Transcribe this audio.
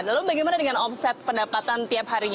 lalu bagaimana dengan omset pendapatan tiap harinya